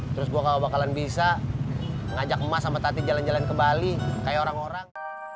terus gue kalau bakalan bisa ngajak emas sama tati jalan jalan ke bali kayak orang orang